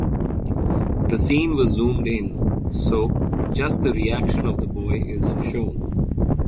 The scene was zoomed in so just the reaction of the boy is shown.